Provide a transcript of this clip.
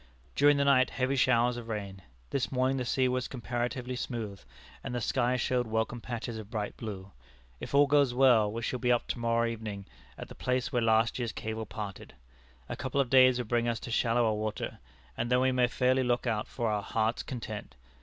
During the night heavy showers of rain. This morning the sea was comparatively smooth, and the sky showed welcome patches of bright blue. If all goes well, we shall be up to morrow evening at the place where last year's cable parted. A couple of days would bring us to shallower water, and then we may fairly look out for our 'Heart's Content.'